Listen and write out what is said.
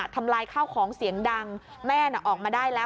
ทำลายข้าวของเสียงดังแม่น่ะออกมาได้แล้ว